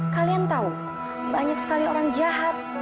kalian tahu banyak sekali orang jahat